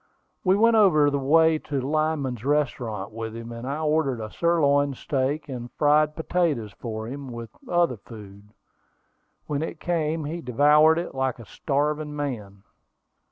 We went over the way to Lyman's restaurant with him, and I ordered a sirloin steak and fried potatoes for him, with other food. When it came, he devoured it like a starving man.